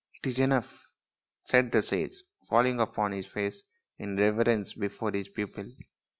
"It is enough," said the sage, falling upon his face in reverence before his pupil.